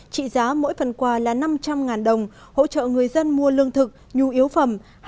trị giá mỗi phần quà là năm trăm linh đồng hỗ trợ người dân mua lương thực nhu yếu phẩm